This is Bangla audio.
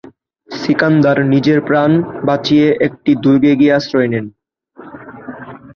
সিকান্দার নিজের প্রাণ বাঁচিয়ে একটি দুর্গে গিয়ে আশ্রয় নেন।